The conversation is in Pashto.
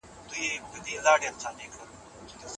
ساینس پوهان به د راتلونکي دقیق اټکل ونه کړي.